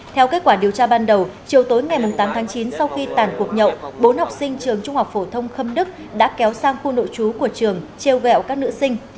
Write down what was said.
theo kết quả điều tra ban đầu chiều tối ngày tám tháng chín sau khi tàn cuộc nhậu bốn học sinh trường trung học phổ thông khâm đức đã kéo sang khu nội trú của trường treo vẹo các nữ sinh